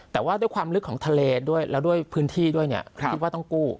แต่ว่าด้วยความลึกของทะเลด้วยแล้วด้วยพื้นที่ด้วยเนี่ยคิดว่าต้องกู้